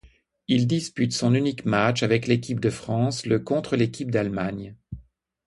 Il dispute son unique match avec l'équipe de France le contre l'équipe d'Allemagne.